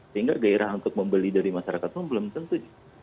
sehingga gairah untuk membeli dari masyarakat pun belum tentu